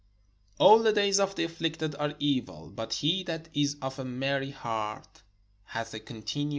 All the days of the afiflicted are evil: but he that is of a merry heart hath a continual feast.